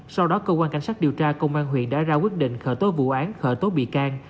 sau đó công an huyện đã ra quyết định khởi tố vụ án khởi tố bị can